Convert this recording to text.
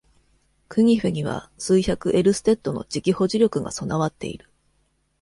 クニフェには、数百エルステッドの磁気保磁力が備わっている。